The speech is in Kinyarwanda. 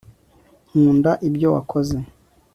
nkunda ibyo wakoze